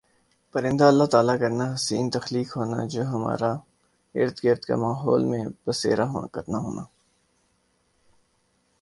پرندہ اللہ تعالی کرنا حسین تخلیق ہونا جو ہمارہ ارد گرد کا ماحول میں بسیرا کرنا ہونا